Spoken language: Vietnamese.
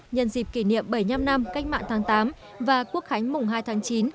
nhân dịp kỷ niệm bảy mươi năm năm cách mạng tháng tám và quốc khánh mùng hai tháng chín